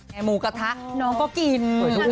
หมูกระทะน้องก็กิน